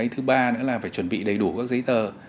thứ ba nữa là phải chuẩn bị đầy đủ các giấy tờ